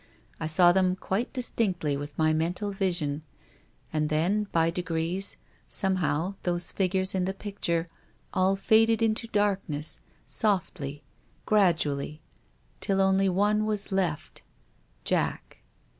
I saw them quite distinctly with my mental vision. And then, by degrees, somehow those figures in the pic ture all faded into darkness, softly, gradually, till only one was left — Jack.